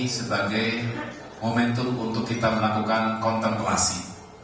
sebagai momentum untuk kita melakukan konservasi